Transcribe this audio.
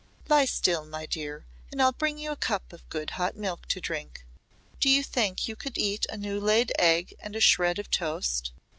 Lie still, my dear, and I'll bring you a cup of good hot milk to drink. Do you think you could eat a new laid egg and a shred of toast?"